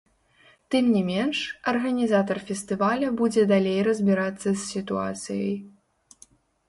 Тым не менш, арганізатар фестываля будзе далей разбірацца з сітуацыяй.